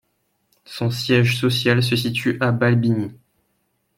Son siège social se situe à Balbigny.